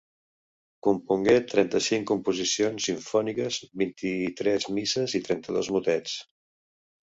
Compongué trenta-cinc composicions simfòniques, vint-i-tres misses i trenta-dos motets.